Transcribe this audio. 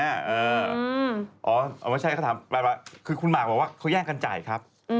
อ๋อไม่ใช่เขาถามไปคือคุณหมากบอกว่าเขาแย่งกันจ่ายครับ